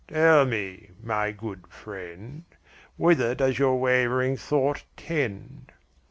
Tell me, my good friend, whither does your wavering thought tend?"